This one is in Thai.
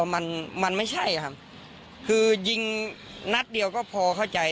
มันมันไม่ใช่ครับคือยิงนัดเดียวก็พอเข้าใจ